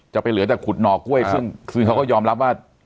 จะไปเหลือแต่ขุดนอกจุ้ยซึ่งเค้าก็ยอมรับว่า